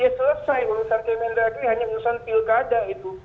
ya selesai urusan kemendagri hanya urusan pilkada itu